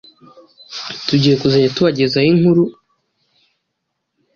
tugiye kuzajya tubagezaho inkuru